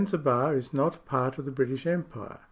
Zanzibar is not part of the British Empire.